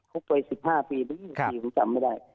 พบไป๑๕ปีผมจำไม่ได้